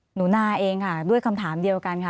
หนูนาเองค่ะด้วยคำถามเดียวกันค่ะ